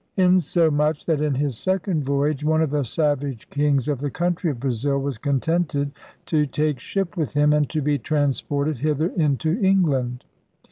Inso much that in his 2 voyage one of the savage kings of the Countrey of Brasil was contented to take ship with him, and to be transported hither into England.